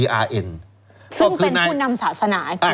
ซึ่งเป็นผู้นำศาสนา